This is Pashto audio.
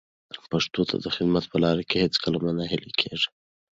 پښتو ته د خدمت په لاره کې هیڅکله مه ناهیلي کېږئ.